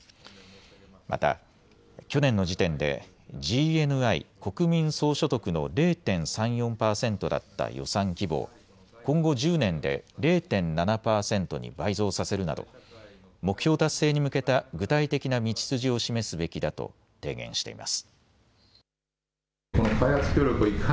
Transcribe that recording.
また、去年の時点でＧＮＩ・国民総所得の０．３４％だった予算規模を今後１０年で０．７％に倍増させるなど目標達成に向けた具体的な道筋を示すべきだと提言しています。